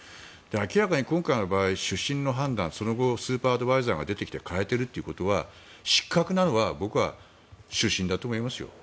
明らかに今回の場合主審の判断、その後スーパーアドバイザーが出てきて変えているということは失格なのは僕は主審だと思いますよ